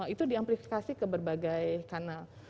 itu di amplifikasi ke berbagai kanal